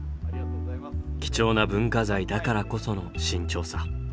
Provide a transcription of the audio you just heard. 貴重な文化財だからこその慎重さ。